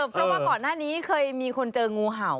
เพราะว่าก่อนหน้านี้เคยมีคนเจองูเห่า